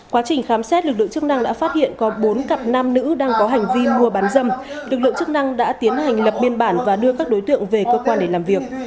quá trình khám xét lực lượng chức năng đã phát hiện có bốn cặp nam nữ đang có hành vi mua bán dâm lực lượng chức năng đã tiến hành lập biên bản và đưa các đối tượng về cơ quan để làm việc